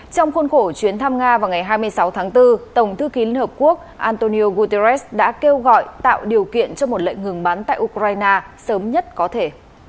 trong khuôn khổ chuyến thăm nga vào ngày hai mươi sáu tháng bốn tổng thư ký liên hợp quốc antonio guterres đã kêu gọi tạo điều kiện cho một lệnh ngừng bắn tại ukraine sớm nhất có thể